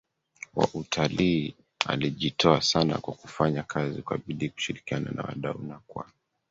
wa utalii Alijitoa sana kwa kufanya kazi kwa bidii kushirikiana na wadau na kwa